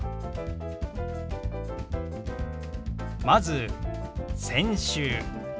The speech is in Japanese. まず「先週」。